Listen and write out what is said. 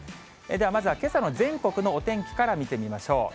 まずはけさの全国のお天気から見てみましょう。